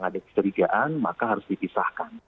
kalau ada keterigaan maka harus dipisahkan